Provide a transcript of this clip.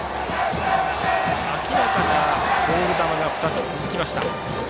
明らかなボール球が２つ、続きました。